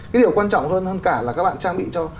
cái điều quan trọng hơn cả là các bạn trang bị cho